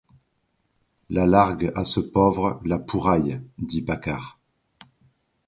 La largue à ce pauvre La Pouraille, dit Paccard.